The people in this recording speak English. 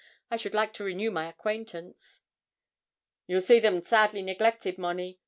I should like to renew my acquaintance.' 'You'll see them sadly neglected, Monnie.